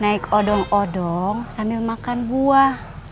naik odong odong sambil makan buah